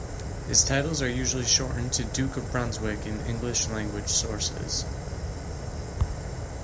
His titles are usually shortened to Duke of Brunswick in English-language sources.